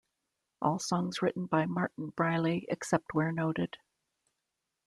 All songs written by Martin Briley, except where noted.